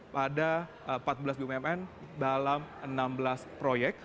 pada empat belas bumn dalam enam belas proyek